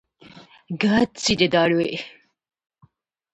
がちでだるい